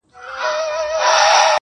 او کله هم ترې لاس نه دی اخستی